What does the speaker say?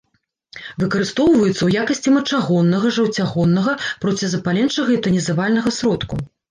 Выкарыстоўваюцца ў якасці мачагоннага, жаўцягоннага, процізапаленчага і танізавальнага сродку.